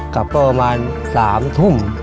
กลับรอประมาณ๓ก่อนทุ่ม